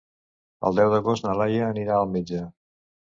El deu d'agost na Laia anirà al metge.